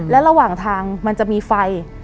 และระหว่างทางมันจะมีไฟ